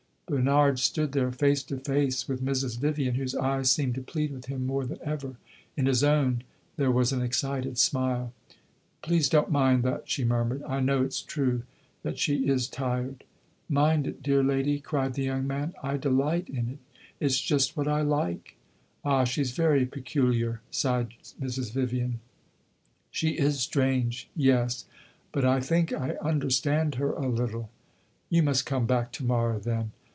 Bernard stood there face to face with Mrs. Vivian, whose eyes seemed to plead with him more than ever. In his own there was an excited smile. "Please don't mind that," she murmured. "I know it 's true that she is tired." "Mind it, dear lady?" cried the young man. "I delight in it. It 's just what I like." "Ah, she 's very peculiar!" sighed Mrs. Vivian. "She is strange yes. But I think I understand her a little." "You must come back to morrow, then."